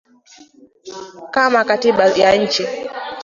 kama katiba ya nchi